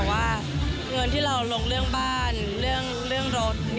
ว่าเงินที่เราลงเรื่องบ้านเรื่องรถ